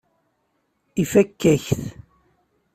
Ifakk-ak-t.